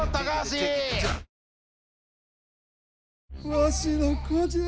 わしの子じゃ！